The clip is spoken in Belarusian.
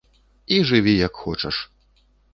І жыві як хочаш.